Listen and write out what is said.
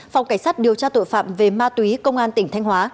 phòng cảnh sát điều tra tội phạm về ma túy công an tỉnh thanh hóa